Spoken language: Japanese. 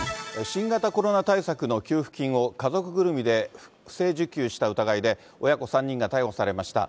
新型コロナ対策の給付金を、家族ぐるみで不正受給した疑いで、親子３人が逮捕されました。